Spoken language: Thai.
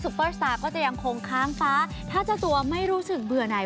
เปอร์สตาร์ก็จะยังคงค้างฟ้าถ้าเจ้าตัวไม่รู้สึกเบื่อไหน